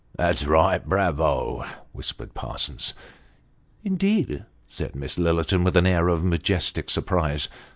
(" That's right bravo !") whispered Parsons. " Indeed !" said Miss Lillerton, with an air of majestic surprise.